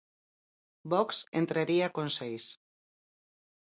Vox entraría con seis.